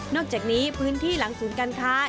อกจากนี้พื้นที่หลังศูนย์การค้า